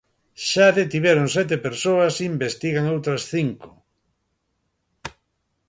Xa detiveron sete persoas e investigan outras cinco.